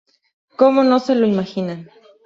Como no se lo imaginan.